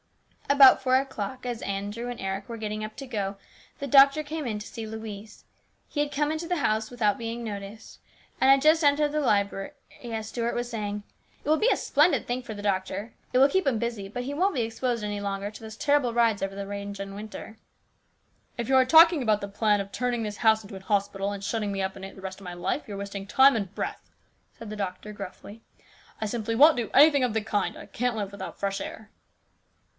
About four o'clock, as Eric and Andrew were getting up to go, the doctor came in to see Louise. He had come into the house without being noticed, and had entered the library just as Stuart was saying, " It will be a splendid thing for the doctor. It will keep him busy, but he won't be exposed any longer to these terrible rides over the range in winter." " If you are talking about that plan of turning this house into a hospital and shutting me up in it the rest of my life, you're wasting time and breath," said the doctor gruffly. " I simply won't do anything of the kind. I can't live without fresh air."